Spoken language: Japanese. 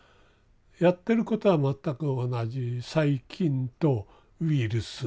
やってることは全く同じ細菌とウイルス。